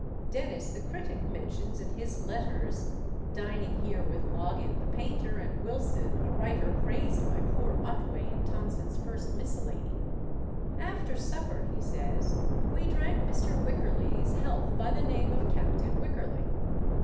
Dennis, the critic, mentions in his Letters dining here with Loggen, the painter, and Wilson, a writer praised by poor Otway in Tonson's first Miscellany. "After supper," he says, "we drank Mr. Wycherly's health by the name of Captain Wycherly."